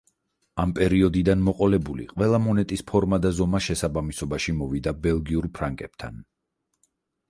ამ პერიოდიდან მოყოლებული ყველა მონეტის ფორმა და ზომა შესაბამისობაში მოვიდა ბელგიურ ფრანკებთან.